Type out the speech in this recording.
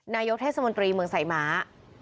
นายกเทศมนตรีเมืองสายม้า